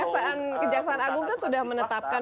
nah kejahatan agung kan sudah menetapkan